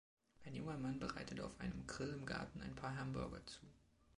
Ein junger Mann bereitet auf einem Grill im Garten ein paar Hamburger zu